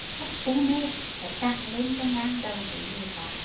Nằm thấp u mê, phải cằn lên cho ngang đầu với người khác